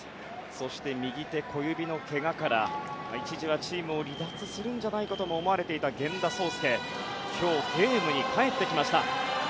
そして右手小指のけがから一時はチームを離脱すると思われていた今日、ゲームに帰ってきました。